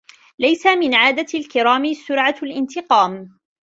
لَيْسَ مِنْ عَادَةِ الْكِرَامِ سُرْعَةُ الِانْتِقَامِ